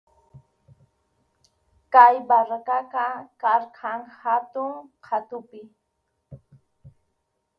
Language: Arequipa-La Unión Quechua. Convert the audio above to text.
Kay barracaqa karqan hatun qhatupi.